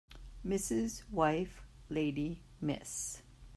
Mrs. wife lady Miss